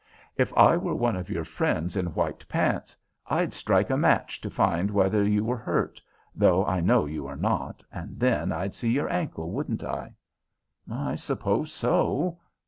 "If I were one of your friends in white pants, I'd strike a match to find whether you were hurt, though I know you are not, and then I'd see your ankle, wouldn't I?" "I suppose so."